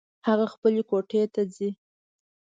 هغه خپلې کوټې ته ځي